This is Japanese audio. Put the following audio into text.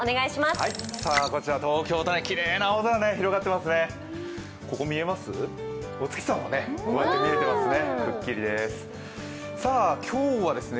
こちら東京ではきれいな青空が広がっていますね。